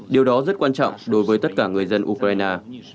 điều đó rất quan trọng đối với tất cả người dân ukraine